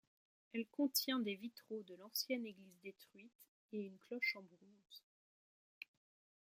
Elle contient des vitraux de l'ancienne église détruite et une cloche en bronze.